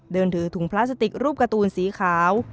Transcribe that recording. เดินถือถุงพลาสติกรูปการ์ตูนสีขาว